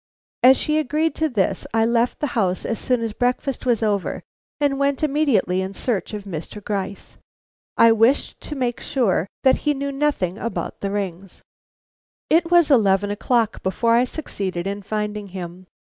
As she agreed to this, I left the house as soon as breakfast was over and went immediately in search of Mr. Gryce. I wished to make sure that he knew nothing about the rings. It was eleven o'clock before I succeeded in finding him.